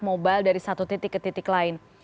mobile dari satu titik ke titik lain